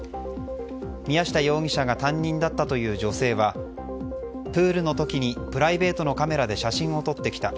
宮下容疑者が担任だったという女性はプールの時にプライベートのカメラで写真を撮ってきた。